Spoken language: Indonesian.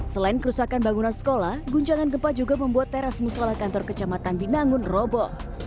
selain kerusakan bangunan sekolah guncangan gempa juga membuat teras musola kantor kecamatan binangun robo